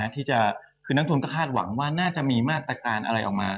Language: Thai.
ที่จะคือนักทุนก็คาดหวังว่าน่าจะมีมาตรการอะไรออกมา